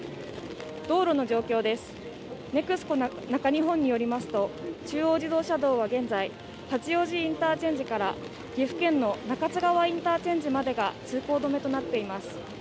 道路の状況です、ＮＥＸＣＯ中日本によりますと、中央自動車道は現在、八王子インターチェンジと岐阜県の中津川インターチェンジまでが通行止めとなっています。